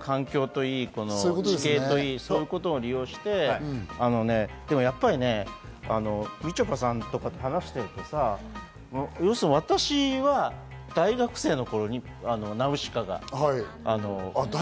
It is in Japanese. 環境といい、地形といい、そういうことを利用して、でもやっぱり、みちょぱさんとかと話してるとさ、私は大学生の頃に『ナウシカ』が。